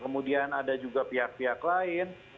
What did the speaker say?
kemudian ada juga pihak pihak lain